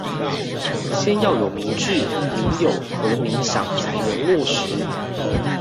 先要有民冶，民有和民享才能落實